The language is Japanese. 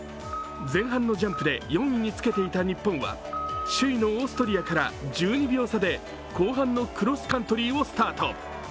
前半のジャンプで４位につけていた日本は首位のオーストリアから１２秒差で後半のクロスカントリーをスタート。